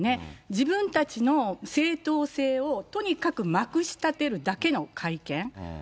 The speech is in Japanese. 自分たちの正当性をとにかくまくしたてるだけの会見。